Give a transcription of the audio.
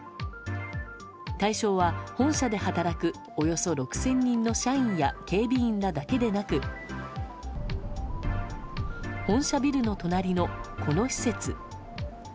対象は、本社で働くおよそ６０００人の社員や警備員らだけでなく本社ビルの隣のこの施設。